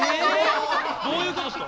どういうことですか？